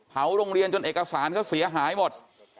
โรงเรียนจนเอกสารเขาเสียหายหมด